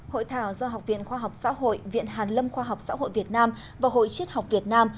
hội thảo do học viện khoa học xã hội viện hàn lâm khoa học xã hội việt nam và hội chết học việt nam